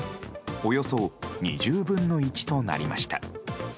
およそ２０分の１となりました。